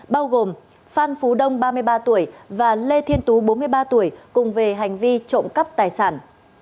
bao gồm phan phú đông ba mươi ba tuổi và lê thiên tú bốn mươi ba tuổi cùng về hành vi trộm cắp tài sản